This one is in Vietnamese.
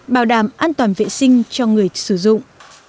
bảo đảm an toàn vệ sinh cho người sử dụng